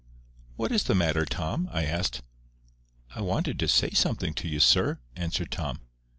"What is the matter, Tom?" I asked. "I wanted to say something to you, sir," answered Tom.